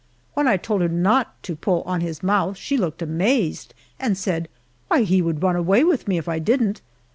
When I told her not to pull on his mouth she looked amazed, and said, "Why, he would run away with me if I didn't!"